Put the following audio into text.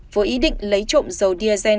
với ý định lấy trộm dầu diazen